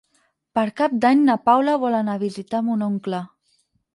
Per Cap d'Any na Paula vol anar a visitar mon oncle.